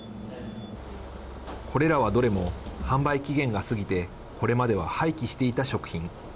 これらは、どれも販売期限が過ぎてこれまでは廃棄していた食品。